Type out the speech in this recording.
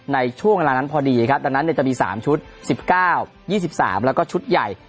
ในช่วงเวลานั้นพอดีครับดังนั้นจะมี๓ชุด๑๙๒๓แล้วก็ชุดใหญ่